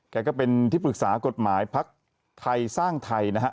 แกก็เป็นที่ปรึกษากฎหมายภักดิ์ไทยสร้างไทยนะฮะ